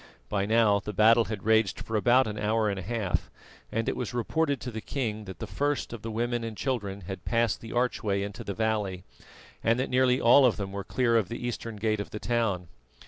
By now the battle had raged for about an hour and a half, and it was reported to the king that the first of the women and children had passed the archway into the valley, and that nearly all of them were clear of the eastern gate of the town.